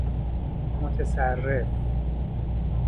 متصرف